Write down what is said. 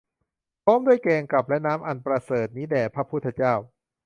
พร้อมด้วยแกงกับและน้ำอันประเสริฐนี้แด่พระพุทธเจ้า